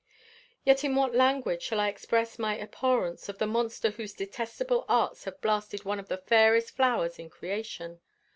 Yet in what language shall I express my abhorrence of the monster whose detestable arts have blasted one of the fairest flowers in creation?